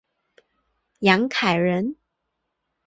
杨凯人。